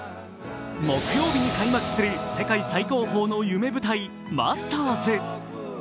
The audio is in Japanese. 木曜日に開幕する世界最高の夢舞台、マスターズ。